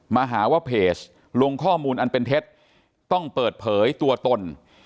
มาหาว่าเพจลงข้อมูลอันเป็นเท็จต้องเปิดเผยตัวตน